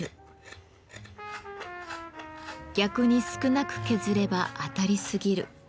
逆に少なく削れば当たりすぎる。